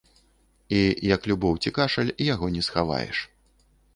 І, як любоў ці кашаль, яго не схаваеш.